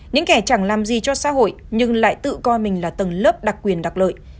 những kẻ chẳng làm gì cho xã hội nhưng lại tự coi mình là tầng lớp đặc quyền đặc lợi